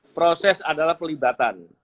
proses adalah pelibatan